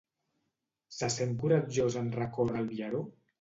Se sent coratjós en recórrer el viaró?